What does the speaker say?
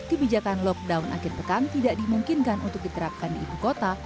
kebijakan lockdown akhir pekan tidak dimungkinkan untuk diterapkan di ibu kota